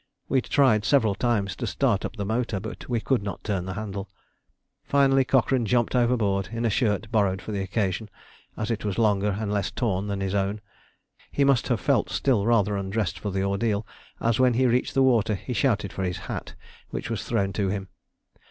We tried several times to start up the motor, but we could not turn the handle. Finally Cochrane jumped overboard in a shirt borrowed for the occasion, as it was longer and less torn than his own. He must have felt still rather undressed for the ordeal, as when he reached the water he shouted for his hat, which was thrown to him.